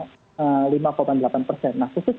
jadi itu adalah yang kita harus lakukan